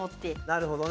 なるほどね。